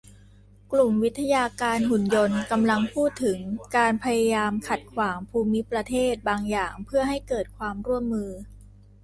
กลุ่มวิทยาการหุ่นยนต์กำลังพูดถึงการพยายามขัดขวางภูมิประเทศบางอย่างเพื่อให้เกิดความร่วมมือ